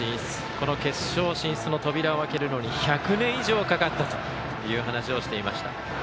この決勝進出の扉を開けるのに１００年以上かかったという話をしていました。